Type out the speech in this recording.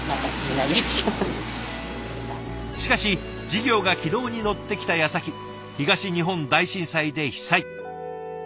しかし事業が軌道に乗ってきたやさき東日本大震災で被災。